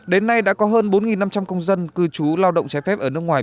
đến nay đã có hơn bốn năm trăm linh công dân cư trú lao động trái phép ở nước ngoài